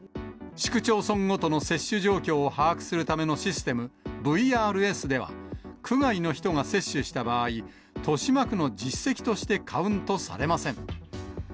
市区町村ごとの接種状況を把握するためのシステム、ＶＲＳでは、区外の人が接種した場合、豊島区の実績としてカウントされません。